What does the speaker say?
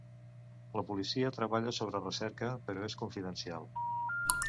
La policia treballa sobre recerca, però és confidencial.